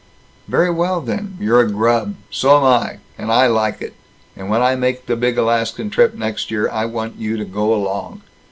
"Very well, then. You're a grub. So am I. And I like it. And when I make the big Alaskan trip next year I want you to go along!